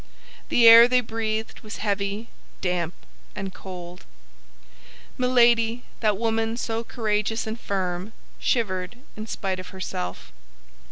The air they breathed was heavy, damp, and cold. Milady, that woman so courageous and firm, shivered in spite of herself.